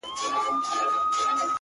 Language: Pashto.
زه به دي تل په ياد کي وساتمه ـ